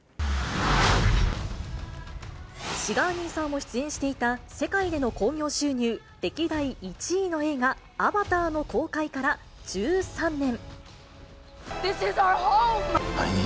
シガーニーさんも出演していた、世界での興行収入歴代１位の映画、アバターの公開から１３年。